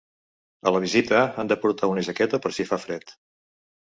A la visita han de portar una jaqueta per si fa fred.